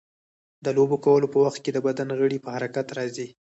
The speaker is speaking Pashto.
د لوبو کولو په وخت د بدن غړي په حرکت راځي.